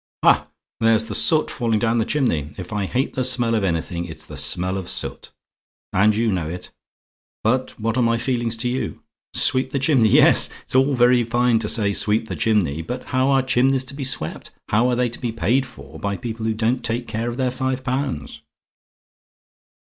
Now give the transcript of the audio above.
"Ha! there's the soot falling down the chimney. If I hate the smell of anything, it's the smell of soot. And you know it; but what are my feelings to you? SWEEP THE CHIMNEY! Yes, it's all very fine to say sweep the chimney but how are chimneys to be swept how are they to be paid for by people who don't take care of their five pounds?